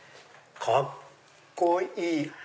カッコいい！